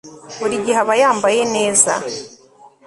Buri gihe aba yambaye neza